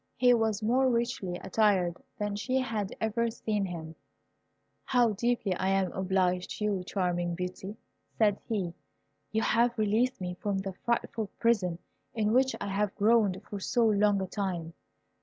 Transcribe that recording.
He was more richly attired than she had ever seen him. "How deeply am I obliged to you, charming Beauty," said he. "You have released me from the frightful prison in which I have groaned for so long a time.